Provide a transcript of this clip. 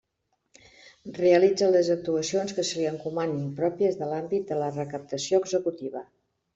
Realitza les actuacions que se li encomanin pròpies de l'àmbit de la recaptació executiva.